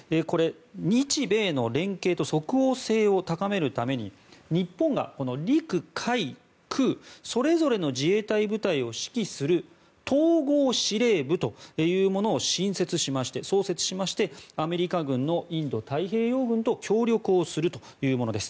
日米の連携と即応性を高めるために日本が陸海空それぞれの自衛隊部隊を指揮する統合司令部というものを創設しましてアメリカ軍のインド太平洋軍と協力するというものです。